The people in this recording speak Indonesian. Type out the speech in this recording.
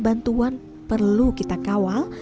bantuan perlu kita kawal